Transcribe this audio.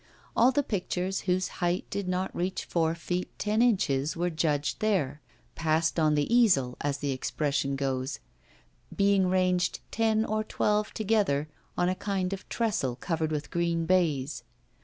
All the pictures whose height did not reach four feet ten inches were judged there 'passed on the easel,' as the expression goes being ranged, ten or twelve together, on a kind of trestle covered with green baize.